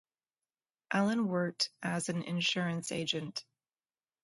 Allen worked as an insurance agent.